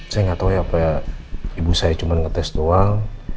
saya gak tau ya apaya ibu saya cuman ngetes doang